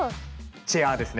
チェアーですね。